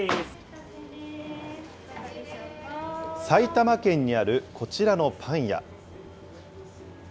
埼玉県にあるこちらのパン屋。